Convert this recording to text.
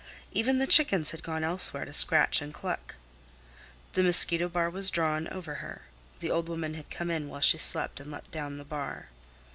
Even the chickens had gone elsewhere to scratch and cluck. The mosquito bar was drawn over her; the old woman had come in while she slept and let down the bar.